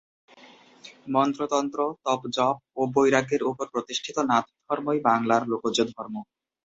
মন্ত্রতন্ত্র, তপজপ ও বৈরাগ্যের ওপর প্রতিষ্ঠিত নাথ ধর্মই বাংলার লোকজ ধর্ম।